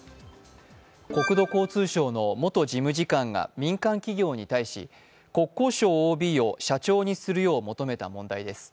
国土交通省の元事務次官が民間企業に対し、国交省ＯＢを社長にするよう求めた問題です。